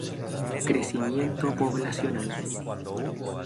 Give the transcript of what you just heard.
Crecimiento poblacional